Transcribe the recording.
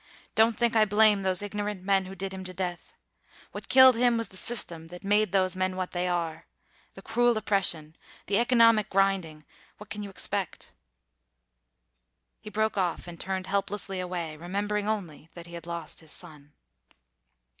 "Don't think I blame those ignorant men who did him to death. What killed him was the system that made those men what they are the cruel oppression, the economic grinding what can you expect...." He broke off, and turned helplessly away, remembering only that he had lost his son.